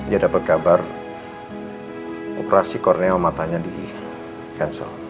dia dapet kabar operasi korneal matanya di cancel